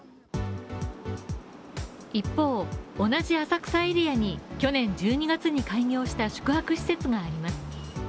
一方、同じ浅草エリアに去年１２月に開業した宿泊施設があります。